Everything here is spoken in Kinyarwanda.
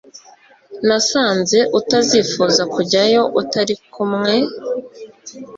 Nasanze utazifuza kujyayo utari kumwe